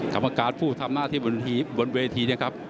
กรรมการผู้ทำหน้าที่บนวถี